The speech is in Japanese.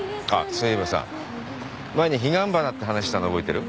そういえばさ前に彼岸花って話したの覚えてる？